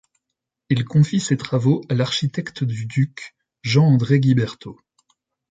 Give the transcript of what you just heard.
Ils confient ces travaux à l'architecte du duc, Jean-André Guiberto.